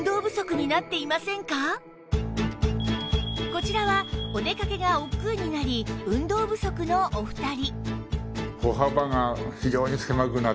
こちらはお出かけがおっくうになり運動不足のお二人